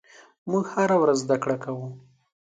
موږ هره ورځ زدهکړه کوو.